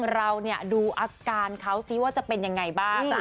เราดูอาการเขาสิว่าจะเป็นยังไงบ้าง